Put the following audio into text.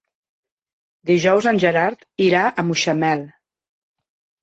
Dijous en Gerard irà a Mutxamel.